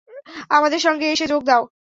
আমাদের সঙ্গে এসে যোগ দাও।